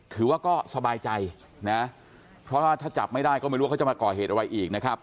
ถือว่าก็สบายใจนะเพราะว่าถ้าจับไม่ได้ก็ไม่รู้ว่าเขาจะมาก่อเหตุอะไรอีกนะครับ